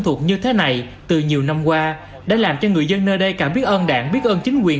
thuộc như thế này từ nhiều năm qua đã làm cho người dân nơi đây cảm biết ơn đảng biết ơn chính quyền